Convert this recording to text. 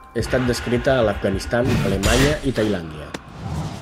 Ha estat descrita a l'Afganistan, Alemanya i Tailàndia.